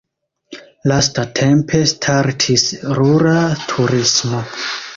Lastatempe startis rura turismo.